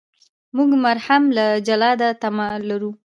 موږ مرهم له جلاده تمه لرو.